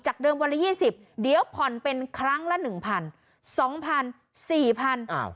จากเดิมวันละ๒๐เดี๋ยวผ่อนเป็นครั้งละ๑๐๐๐